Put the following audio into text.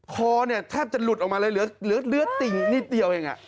คอเนี่ยแทบจะหลุดออกมาเลยเหลือติ่งนิดเดียวเอง